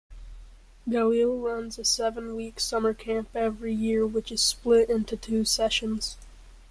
Galil runs a seven-week summer camp every year which is split into two sessions.